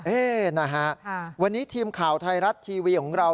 นะฮะวันนี้ทีมข่าวไทยรัฐทีวีของเรา